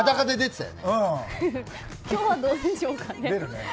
今日は、どうでしょうかね。